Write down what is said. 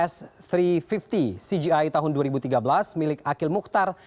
s tiga ratus lima puluh cgi tahun dua ribu tiga belas milik akil mukhtar